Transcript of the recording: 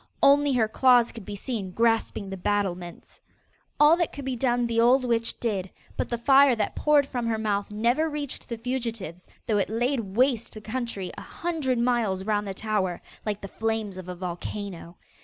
Only her claws could be seen grasping the battlements. All that could be done the old witch did; but the fire that poured from her mouth never reached the fugitives, though it laid waste the country a hundred miles round the tower, like the flames of a volcano.